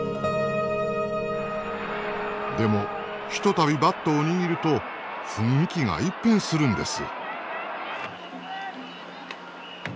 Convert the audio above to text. でもひとたびバットを握ると雰囲気が一変するんです。